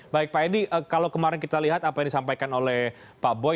baik pak edi kalau kemarin kita lihat apa yang disampaikan oleh pak boy